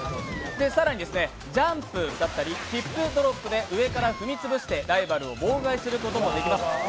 更にジャンプだったりヒップドロップで上から踏みつぶしてライバルを妨害することもできます。